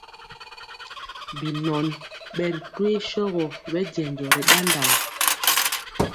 Binɔn ɓɛ ri toyee sɔgɔ ɓɛ jɛnjɔ ri ɗaɗaŋ.